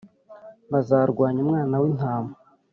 Bazarwanya Umwana w’Intama,